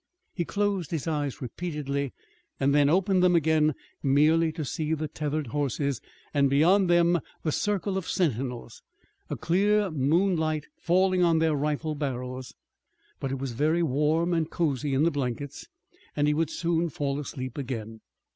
He closed his eyes repeatedly, and then opened them again, merely to see the tethered horses, and beyond them the circle of sentinels, a clear moonlight falling on their rifle barrels. But it was very warm and cosy in the blankets, and he would soon fall asleep again.